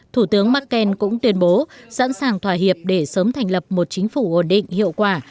thủ tướng merkel cũng tuyên bố sẵn sàng thỏa hiệp để sớm thành lập một chính phủ ổn định hiệu quả